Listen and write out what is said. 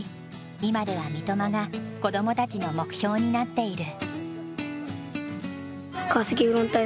今では三笘が子供たちの目標になっている。